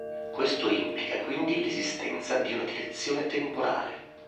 Questo implica quindi l'esistenza di una direzione temporale.